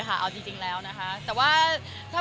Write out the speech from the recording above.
เขาอาจจะคุกเข่า